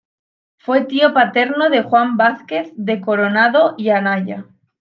Fue tío paterno de Juan Vázquez de Coronado y Anaya.